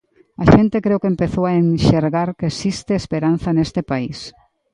A xente creo que empezou a enxergar que existe esperanza neste país.